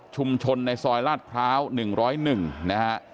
ในซอยลาดพร้าว๑๐๑นะฮะ